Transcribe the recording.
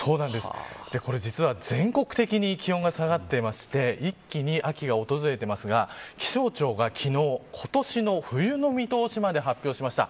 これ、実は全国的に気温が下がっていまして一気に秋が訪れていますが気象庁が昨日、今年の冬の見通しまで発表しました。